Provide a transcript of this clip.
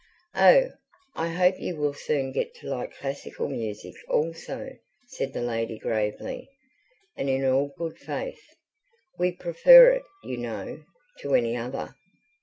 "Oh, I hope you will soon get to like classical music also," said the lady gravely, and in all good faith. "We prefer it, you know, to any other."